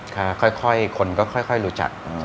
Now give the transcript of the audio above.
ค่อยคนก็ค่อยรู้จัก